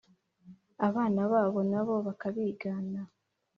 abana babo na bo bakabigana.